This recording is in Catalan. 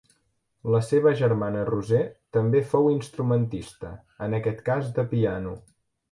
La seva germana Roser també fou instrumentista, en aquest cas de piano.